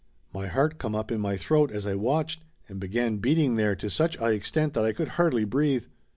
My heart come up in my throat as I watched, and began beating there to such a extent that I could hardly breathe.